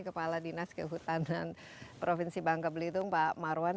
kepala dinas kehutanan provinsi bangka belitung pak marwan